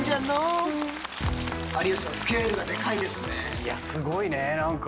いやすごいね何か。